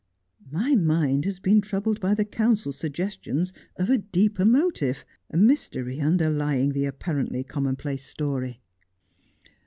' My mind has been troubled by the counsel's suggestions of a deeper motive — a mystery underlying the apparently common place story.'